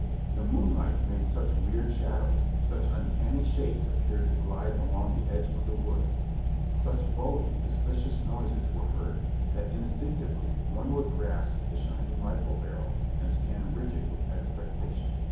The moonlight made such weird shadows ; such uncanny shapes appeared to glide along the edge of the woods ; such boding, suspicious noises were heard, that instinctively one would grasp the shining rifle barrel, and stand rigid with expectation.